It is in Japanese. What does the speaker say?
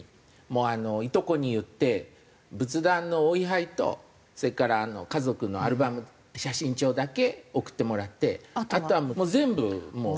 もういとこに言って仏壇のお位牌とそれから家族のアルバム写真帳だけ送ってもらってあとは全部もう。